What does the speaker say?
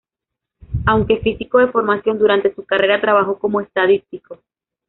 Aunque físico de formación, durante su carrera trabajó como estadístico.